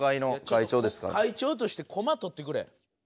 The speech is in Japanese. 会長として駒とってくれ。